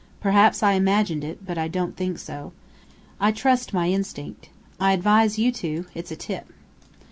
Perhaps I imagined it. But I don't think so. I trust my instinct. I advise you to! It's a tip.